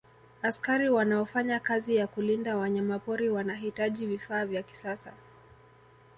askari wanaofanya kazi ya kulinda wanyamapori wanahitaji vifaa vya kisasa